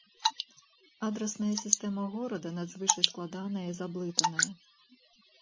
Адрасная сістэма горада надзвычай складаная і заблытаная.